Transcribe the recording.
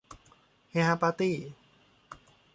เฮฮาปาร์ตี้